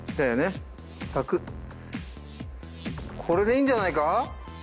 これでいいんじゃないか。